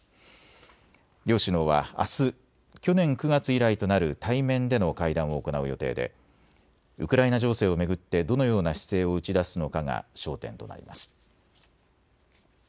両首脳はあす去年９月以来となる対面での会談を行う予定でウクライナ情勢を巡ってどのような姿勢を打ち出すのかが焦点となります。